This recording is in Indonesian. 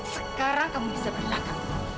sekarang kamu bisa berlaku